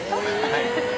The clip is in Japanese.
はい。